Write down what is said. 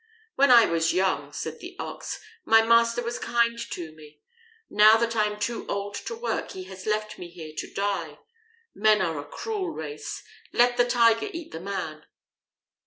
"When I was young," said the Ox, "my master was kind to me. Now that I am too old to work he has left me here to die. Men are a cruel race. Let the Tiger eat the man."